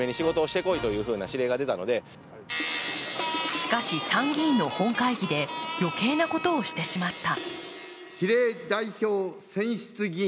しかし、参議院の本会議で余計なことをしてしまった。